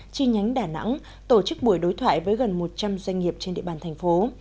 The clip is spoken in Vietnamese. chi nhánh đà nẵng tổ chức buổi đối thoại với gần một trăm linh doanh nghiệp trên địa bàn thành phố